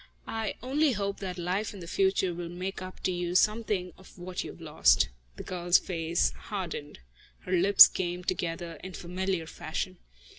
I only hope that life in the future will make up to you something of what you have lost." The girl's face hardened. Her lips came together in familiar fashion.